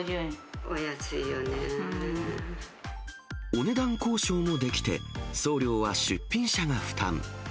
お値段交渉もできて、送料は出品者が負担。